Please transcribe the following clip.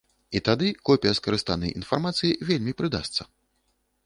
І тады копія скарыстанай інфармацыі вельмі прыдасца.